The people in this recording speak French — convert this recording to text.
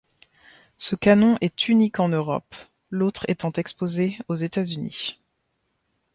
Ce canon est unique en Europe, l'autre étant exposé aux États-Unis.